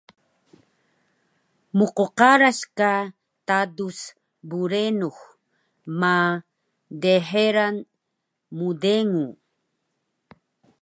Mqqaras ka tadus brenux ma dxeral mdengu